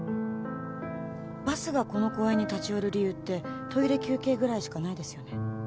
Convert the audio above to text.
バスがこの公園に立ち寄る理由ってトイレ休憩ぐらいしかないですよね？